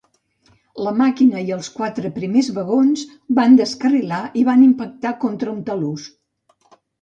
La màquina i els quatre primers vagons van descarrilar i van impactar contra un talús.